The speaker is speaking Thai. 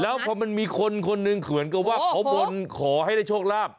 แล้วพอมันมีคนคนหนึ่งเหมือนกับว่าเขาบนขอให้ได้โชคลาภ